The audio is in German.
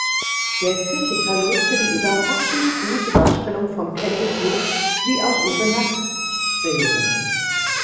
Der Kritiker lobte die „überraschend“ gute Darstellung von Kelly Brook wie auch ihre Nacktszenen.